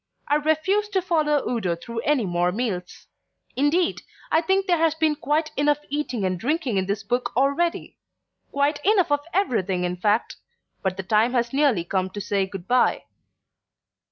I refuse to follow Udo through any more meals. Indeed, I think there has been quite enough eating and drinking in this book already. Quite enough of everything in fact; but the time has nearly come to say good bye.